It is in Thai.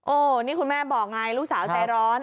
นี่คุณแม่บอกไงลูกสาวใจร้อน